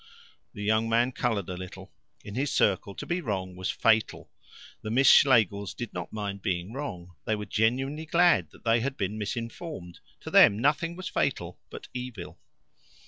The young man coloured a little. In his circle to be wrong was fatal. The Miss Schlegels did not mind being wrong. They were genuinely glad that they had been misinformed. To them nothing was fatal but evil.